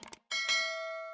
kudu mau jaga perasaan atau jangan